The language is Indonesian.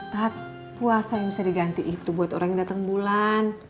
saat puasa yang bisa diganti itu buat orang yang datang bulan